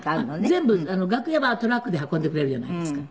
全部楽屋はトラックで運んでくれるじゃないですか。